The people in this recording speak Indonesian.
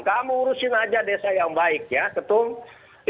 kamu urusin aja desa yang baik ya betul